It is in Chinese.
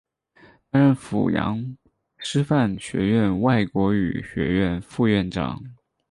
担任阜阳师范学院外国语学院副院长。